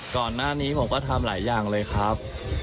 ก่อนหน้านี้ผมก็ทำหลายอย่างเลยครับ